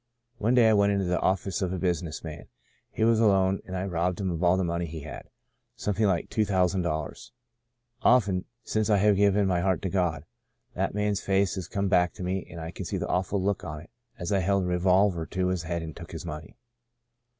One day I went into the office of a business man. He was alone, and I robbed him of all the money he had — something like two thousand dollars. Often, since I have given my heart to God, that man's face has come back to me and I can see the awful look on it as I held a revolver to his head and took his money.